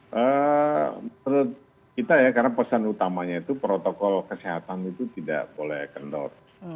menurut kita ya karena pesan utamanya itu protokol kesehatan itu tidak boleh kendor